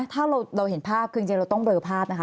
ถ้าเราเห็นภาพเรายังไงจะต้องเบอร์ภาพนะคะ